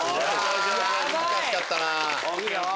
難しかったな。